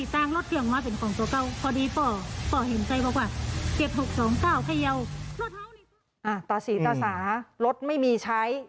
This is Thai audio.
ตาสีตาสารถไม่มีใช้